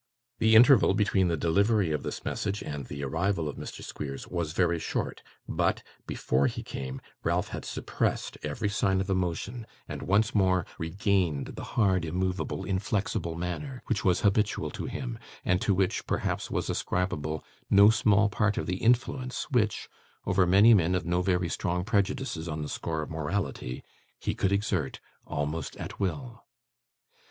The interval between the delivery of this message, and the arrival of Mr Squeers, was very short; but, before he came, Ralph had suppressed every sign of emotion, and once more regained the hard, immovable, inflexible manner which was habitual to him, and to which, perhaps, was ascribable no small part of the influence which, over many men of no very strong prejudices on the score of morality, he could exert, almost at will.